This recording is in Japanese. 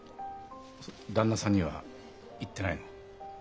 旦那さんには言ってないの？